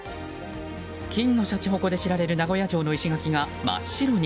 金のしゃちほこで知られる名古屋城の石垣が真っ白に。